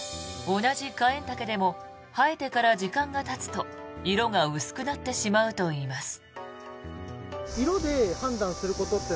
同じカエンタケでも生えてから時間がたつと色が薄くなってしまうといいます。